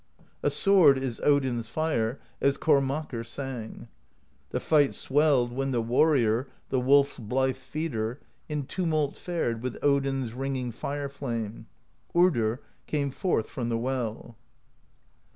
A sword is Odin's Fire, as Kormakr sang: The fight swelled, when the Warrior, The Wolf's blithe Feeder, in tumult Fared with Odin's ringing Fire Flame; Urdr came forth from the Well.